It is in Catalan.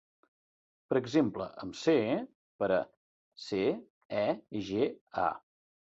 Per exemple, amb C per a C-E-G-A.